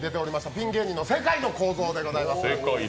ピン芸人の世界のこーぞーでございます。